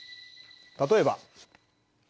例えば。